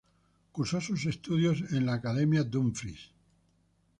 Cursó sus estudios en la "Dumfries Academy".